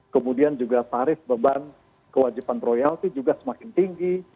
kemudian juga tarif beban kewajiban royalti juga semakin tinggi